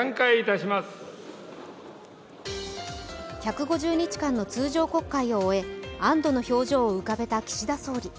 １５０日間の通常国会を終え安どの表情を浮かべた岸田総理。